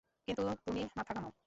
কিন্তু তুমি মাথা ঘামাও।